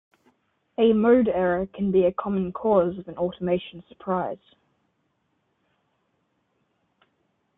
A mode error can be a common cause of an automation surprise.